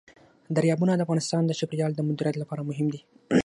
دریابونه د افغانستان د چاپیریال د مدیریت لپاره مهم دي.